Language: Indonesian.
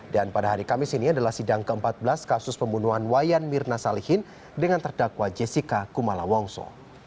dan pada hari kamis ini adalah sidang ke empat belas kasus pembunuhan wayan mirna salihin dengan terdakwa jessica kumala wongso